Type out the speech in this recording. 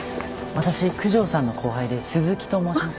私九条さんの後輩で鈴木と申します。